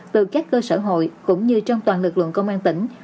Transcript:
từ các cơ sở hội cũng như trong toàn lực lượng công an tỉnh